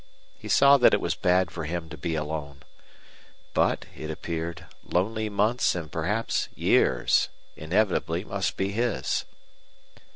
He saw that it was bad for him to be alone. But, it appeared, lonely months and perhaps years inevitably must be his.